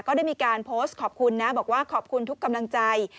ก็ได้มีการโพสต์ขอบคุณนะบอกว่าขอบคุณทุกกำลังใจ